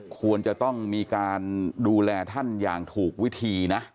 ควรจะต้องมีการดูแลท่านอย่างถูกวิธีนะ